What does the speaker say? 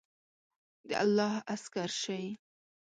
د الله عسکر شئ!